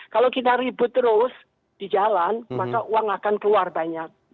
kalau kita ribut terus di jalan maka uang akan keluar banyak